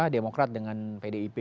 demokrat dengan pdip